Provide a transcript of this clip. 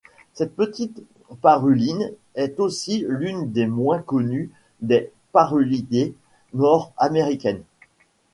Cette petite paruline est aussi l’une des moins connues des parulidés nord-américaines.